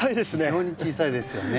非常に小さいですよね。